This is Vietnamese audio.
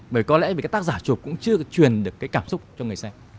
bởi vì có lẽ tác giả chụp cũng chưa truyền được cái cảm xúc cho người xem